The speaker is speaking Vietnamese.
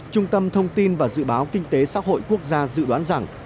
trung tâm thông tin và dự báo kinh tế xã hội quốc gia dự đoán rằng